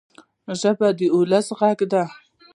ژبه د ولس ږغ دی.